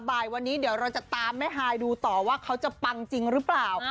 บ่ายวันนี้เดี๋ยวเราจะตามแม่ฮายดูต่อว่าเขาจะปังจริงหรือเปล่า